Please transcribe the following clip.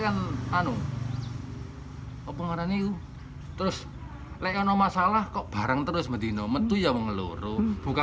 kan anu pengaruhnya terus leon masalah kok barang terus medina mentu yang ngeluru buka